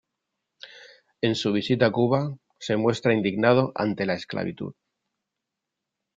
En su visita a Cuba, se muestra indignado ante la esclavitud.